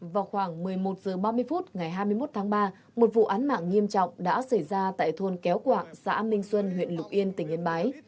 vào khoảng một mươi một h ba mươi phút ngày hai mươi một tháng ba một vụ án mạng nghiêm trọng đã xảy ra tại thôn kéo quạng xã minh xuân huyện lục yên tỉnh yên bái